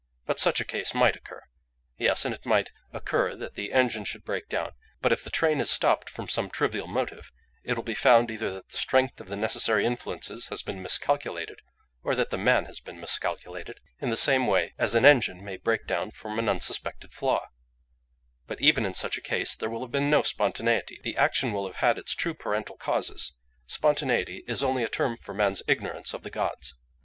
But such a case might occur; yes, and it might occur that the engine should break down: but if the train is stopped from some trivial motive it will be found either that the strength of the necessary influences has been miscalculated, or that the man has been miscalculated, in the same way as an engine may break down from an unsuspected flaw; but even in such a case there will have been no spontaneity; the action will have had its true parental causes: spontaneity is only a term for man's ignorance of the gods.